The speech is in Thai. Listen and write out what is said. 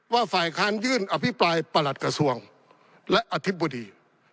ฝ่ายค้านยื่นอภิปรายประหลัดกระทรวงและอธิบดี